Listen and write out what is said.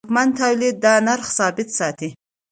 ځواکمن تولید د نرخ ثبات ساتي.